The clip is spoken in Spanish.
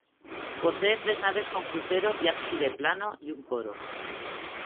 Posee tres naves con crucero y ábside plano, y un coro.